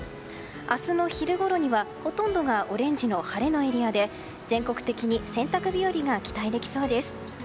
明日の昼ごろには、ほとんどがオレンジの晴れのエリアで全国的に洗濯日和が期待できそうです。